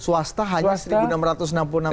swasta hanya satu enam ratus enam puluh enam triliun